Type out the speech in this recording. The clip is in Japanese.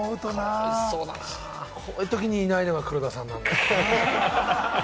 こういうときにいないのが黒田さんなんだよな。